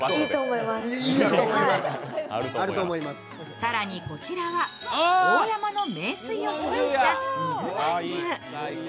更に、こちらは大山の名水を使用した水まんじゅう。